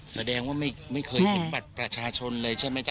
แสดงว่าไม่เคยเห็นบัตรประชาชนเลยใช่ไหมจ๊